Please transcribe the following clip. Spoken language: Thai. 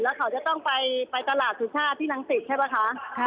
แล้วเขาจะต้องไปตลาดศึกษาที่นังสิทธิ์ใช่ไหมคะ